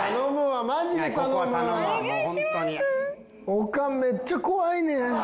おかんめっちゃ怖いねん。